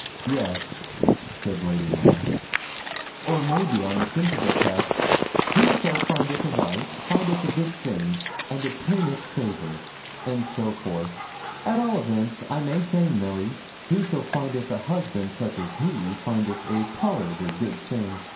'Yes,' said Lady Knollys, 'or maybe on the sensible text, "Whoso findeth a wife findeth a good thing, and obtaineth favour," and so forth. At all events, I may say, Milly, whoso findeth a husband such as he, findeth a tolerably good thing.